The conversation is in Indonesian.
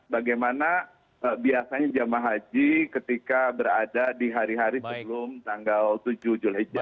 bagaimana biasanya jamaah haji ketika berada di hari hari sebelum tanggal tujuh zul hijah